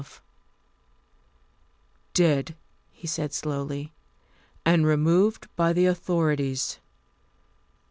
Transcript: Dead," he said slowly, " and removed by the authorities.